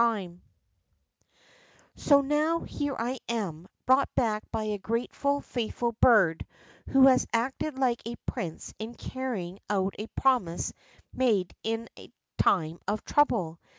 68 THE ROCK FROG So now here I am, brought back by a grateful, faithful bird, who has acted like a prince in carry ing out a promise made in a time of trouble.